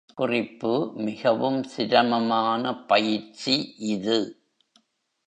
குறிப்பு மிகவும் சிரமமான பயிற்சி இது.